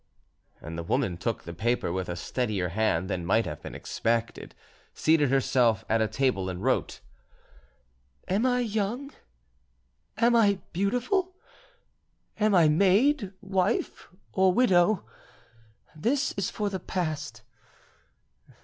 The woman took the paper with a steadier hand than might have been expected, seated herself at a table, and wrote:— "Am I young? Am I beautiful? Am I maid, wife, or widow? This is for the past.